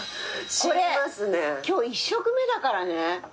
これ今日１食目だからね。